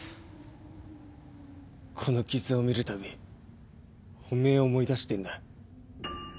この傷を見るたびおめえを思い出してんだ。